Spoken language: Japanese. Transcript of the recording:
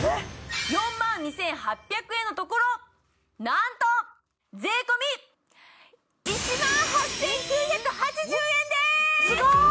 ４万２８００円のところなんと税込１万８９８０円です！